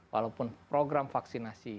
walaupun program vaksinasi